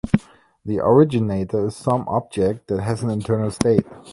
The originator is some object that has an internal state.